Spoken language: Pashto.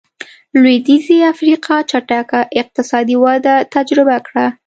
لوېدیځې افریقا چټکه اقتصادي وده تجربه کړه.